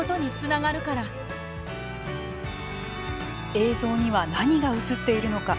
映像には何がうつっているのか。